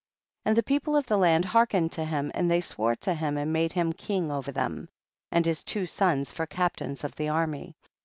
7. And the people of the land hearkened to him, and they swore to him and made him king over them, and his two sons for captains of the army.